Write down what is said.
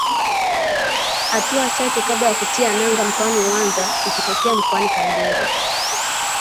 Hatua chache kabla ya kutia nanga mkoani Mwanza ikitokea Mkoani Kagera